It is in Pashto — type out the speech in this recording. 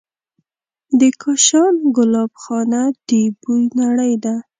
د کاشان ګلابخانه د بوی نړۍ ده.